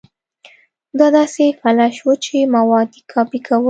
دا داسې فلش و چې مواد يې کاپي کول.